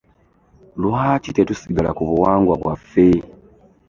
Lwaki tetusigala ku buwangwa bwaffe?